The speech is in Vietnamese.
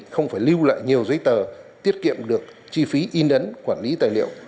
không phải lưu lại nhiều giấy tờ tiết kiệm được chi phí in ấn quản lý tài liệu